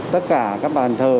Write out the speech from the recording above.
tất cả các bàn thờ